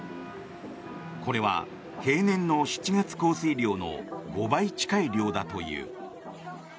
これは平年の７月降水量の５倍近い量だという。